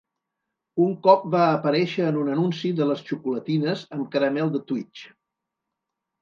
Un cop va aparèixer en un anunci de les xocolatines amb caramel de Twix.